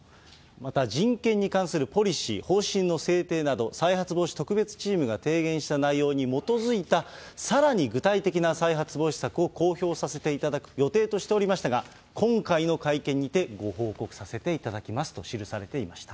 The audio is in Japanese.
また、人権に関するポリシー・方針の制定など、再発防止特別チームが提言した内容に基づいた、さらに具体的な再発防止策を公表させていただく予定としておりましたが、今回の会見にてご報告させていただきますと記されていました。